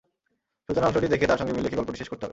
সূচনা অংশটি দেখে তার সঙ্গে মিল রেখে গল্পটি শেষ করতে হবে।